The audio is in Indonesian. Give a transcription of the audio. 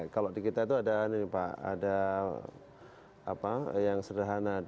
kalau di kita itu ada pak ada yang sederhana